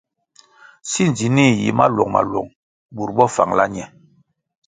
Si ndzinih yi maluong-maluong bur bo fangala ñe.